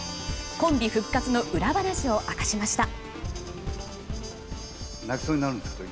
コンビ復活の裏話を明かしました。